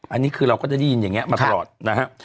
อันนี้คือเราก็ได้ยินอย่างนี้มาตลอดนะฮะ